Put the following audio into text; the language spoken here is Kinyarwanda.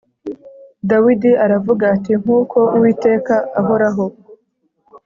Dawidi aravuga ati “Nk’uko Uwiteka ahoraho